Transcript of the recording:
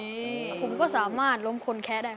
คุณก็สามารถล้มคนแค้ได้ครับ